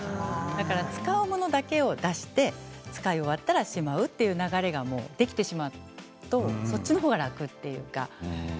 使うものだけを出して使い終わったらしまうという流れができてしまうとそちらの方が楽ですね。